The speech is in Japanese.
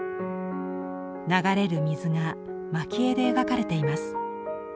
流れる水が蒔絵で描かれています。